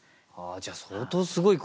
じゃあ相当すごい句。